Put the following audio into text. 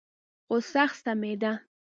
خو سخت ستمېده.